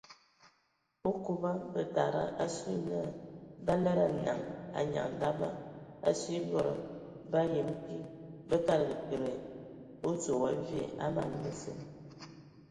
Okoba bətada asu yə na ba lədə anyaŋ daba asue e bod ba yəm kig bə kadəga kəle odzoe wa vie a man mə zen.